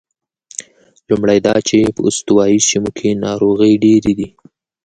لومړی دا چې په استوایي سیمو کې ناروغۍ ډېرې دي.